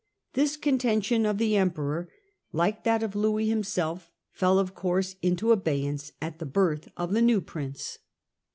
This con tention of the Emperor, like that of Louis himself, fell of course into abeyance at the birth of the new prince.